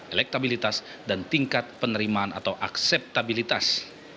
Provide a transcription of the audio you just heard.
elektabilitas dan tingkat penerimaan atau akseptabilitas